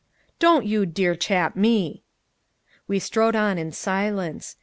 "Don't you dear chap me!" We strode on in silence.